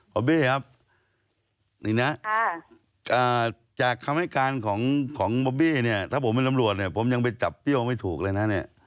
อบบี้ครับนี่นะจากคำให้การของบอบบี้เนี่ยถ้าผมเป็นตำรวจเนี่ยผมยังไปจับเปรี้ยวไม่ถูกเลยนะเนี่ย